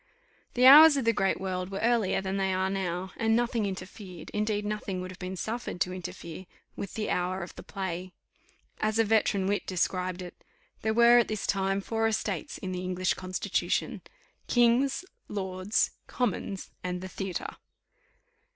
The hours of the great world were earlier then than they are now, and nothing interfered, indeed nothing would have been suffered to interfere, with the hour for the play. As a veteran wit described it, "There were at this time four estates in the English Constitution, kings, lords, commons, and the theatre."